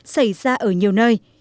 xảy ra ở nhiều nơi